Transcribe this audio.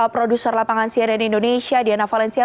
produser lapangan cnn indonesia diana valencia